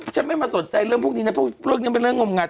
ฉันไม่มาสนใจเรื่องพวกนี้นั้นพวกเนี้ยมันเรื่องงงัด